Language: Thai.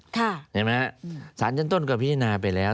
เห็นไหมฮะสารชั้นต้นก็พิจารณาไปแล้ว